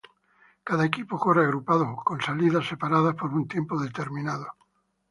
Cada equipo corre agrupado, con salidas separadas por un tiempo determinado.